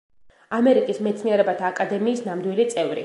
ამერიკის მეცნიერებათა აკადემიის ნამდვილი წევრი.